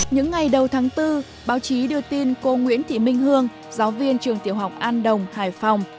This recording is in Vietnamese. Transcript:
những ngày đầu tháng bốn báo chí đưa tin cô nguyễn thị minh hương giáo viên trường tiểu học an đồng hải phòng